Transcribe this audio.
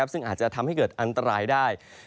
ซึ่งอาจจะทำให้เกิดอันตรายได้